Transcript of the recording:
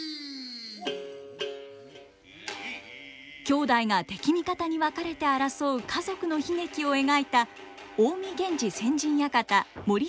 兄弟が敵味方に分かれて争う家族の悲劇を描いた「近江源氏先陣館盛綱陣屋」。